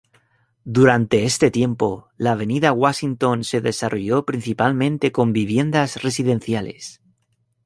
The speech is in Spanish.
Durante este tiempo, la avenida Washington se desarrolló principalmente con viviendas residenciales.